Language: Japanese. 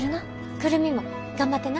久留美も頑張ってな。